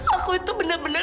aku itu benar benar